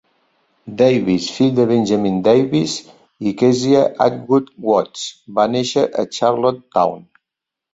Davies, fill de Benjamin Davies i Kezia Attwood Watts, va néixer a Charlottetown.